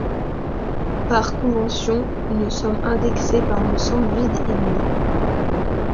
Par convention, une somme indexée par l'ensemble vide est nulle.